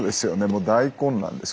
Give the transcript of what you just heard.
もう大混乱です